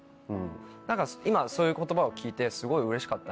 何か今そういう言葉を聞いてすごいうれしかったなって。